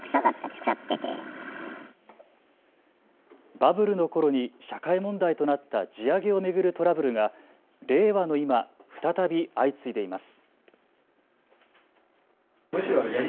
バブルのころに社会問題となった地上げを巡るトラブルが令和の今、再び相次いでいます。